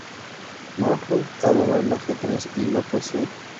Marlowe adora el ajedrez y la poesía.